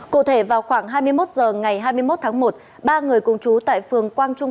cụ thể vào khoảng hai mươi một h ngày hai mươi một tháng một ba người cùng chú tại phường quang trung